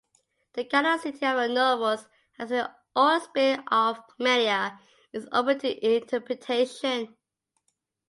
The canonicity of the novels, as with all spin-off media, is open to interpretation.